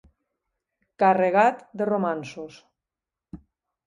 Carregat de romanços.